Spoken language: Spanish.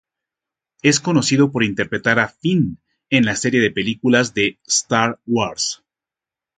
Es conocido por interpretar a "Finn" en la serie de películas de "Star Wars".